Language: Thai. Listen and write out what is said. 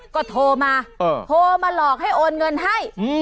ก็โทรมาโทรมาหลอกให้โอนเงินให้